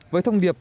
với thông điệp